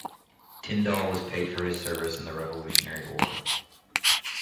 Tindall was paid for his service in the Revolutionary War.